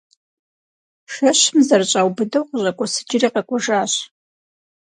Шэщым зэрыщӏаубыдэу, къыщӏэкӏуэсыкӏри къэкӏуэжащ.